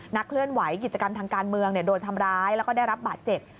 เคลื่อนไหวกิจกรรมทางการเมืองโดนทำร้ายแล้วก็ได้รับบาดเจ็บ